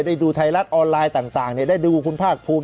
ได้ดูไทยรัฐออนไลน์ต่างต่างเนี่ยได้ดูคุณภาคภูมิ